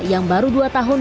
yang baru dua tahun